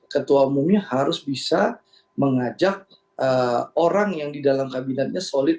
ketua umumnya harus bisa mengajak orang yang di dalam kabinetnya solid